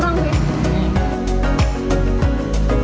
lanjut makan lagi ya